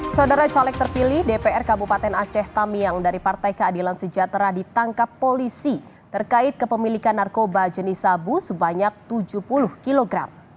saudara caleg terpilih dpr kabupaten aceh tamiang dari partai keadilan sejahtera ditangkap polisi terkait kepemilikan narkoba jenis sabu sebanyak tujuh puluh kg